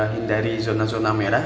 hindari zona zona merah